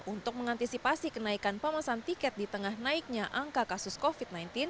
untuk mengantisipasi kenaikan pemesan tiket di tengah naiknya angka kasus covid sembilan belas